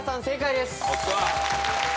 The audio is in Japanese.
正解です。